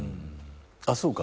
あっそうか。